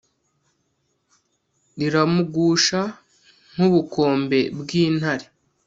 riramugusha nkubukombe bw intare